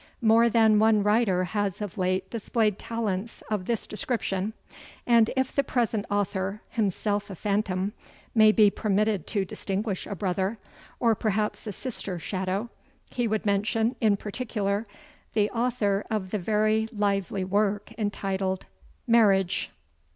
More than one writer has of late displayed talents of this description; and if the present author, himself a phantom, may be permitted to distinguish a brother, or perhaps a sister shadow, he would mention, in particular, the author of the very lively work entitled MARRIAGE.